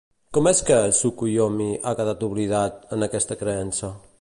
Com és que Tsukuyomi ha quedat oblidat, en aquesta creença?